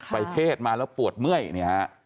ไปเพศมาแล้วปวดเมื่อย